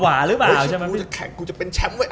เว้ยพี่นี่ชิบลูกจะแข่งกูจะเป็นแชมป์เว้ย